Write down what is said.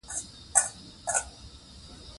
زمرد د افغانستان د اقتصادي ودې لپاره ارزښت لري.